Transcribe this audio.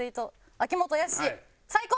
「秋元康最高。」